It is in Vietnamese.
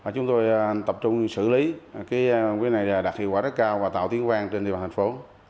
chúng tôi tập trung xử lý quỹ này đạt hiệu quả rất cao và tạo tiếng vang trên địa bàn thành phố